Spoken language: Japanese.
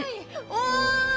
おい！